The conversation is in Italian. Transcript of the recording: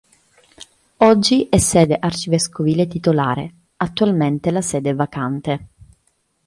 Oggi è sede arcivescovile titolare; attualmente la sede è vacante.